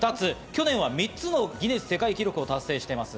去年は３つのギネス世界記録を達成しています。